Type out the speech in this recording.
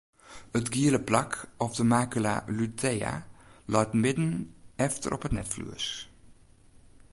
It giele plak of de macula lutea leit midden efter op it netflues.